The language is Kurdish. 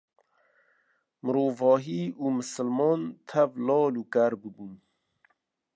mirovahî û misliman tev lal û ker bibûn